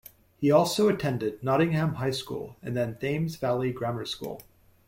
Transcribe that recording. He also attended Nottingham High School and then Thames Valley Grammar School.